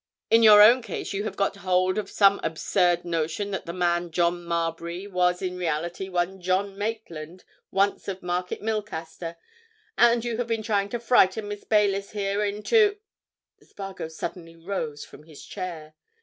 In your own case you have got hold of some absurd notion that the man John Marbury was in reality one John Maitland, once of Market Milcaster, and you have been trying to frighten Miss Baylis here into——" Spargo suddenly rose from his chair.